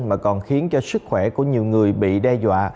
mà còn khiến cho sức khỏe của nhiều người bị đe dọa